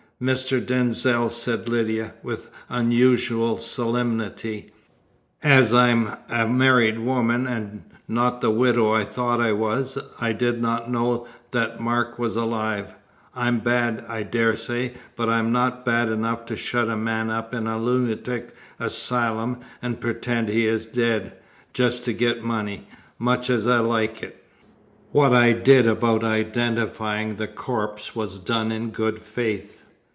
"Mr. Denzil," said Lydia, with unusual solemnity, "as I'm a married woman, and not the widow I thought I was, I did not know that Mark was alive! I'm bad, I daresay, but I am not bad enough to shut a man up in a lunatic asylum and pretend he is dead, just to get money, much as I like it. What I did about identifying the corpse was done in good faith."